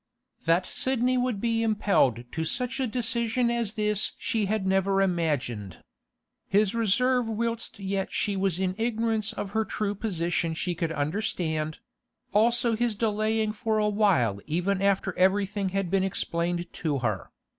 That Sidney would be impelled to such a decision as this she had never imagined. His reserve whilst yet she was in ignorance of her true position she could understand: also his delaying for a while even after everything had been explained to her.